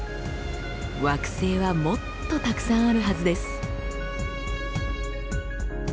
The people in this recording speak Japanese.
惑星はもっとたくさんあるはずです。